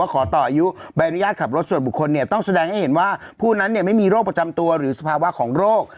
คุณโดยพูดเพราะเห็นว่าผู้นั้นเนี่ยไม่มีโรคประจำตัวหรือสภาวะของโรค